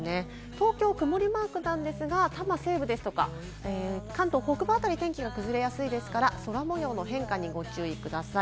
東京は曇りマークなんですが、多摩西部ですとか、関東北部辺り、天気が崩れやすいですから、空模様の変化にご注意ください。